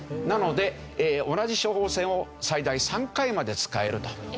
なので同じ処方箋を最大３回まで使えると。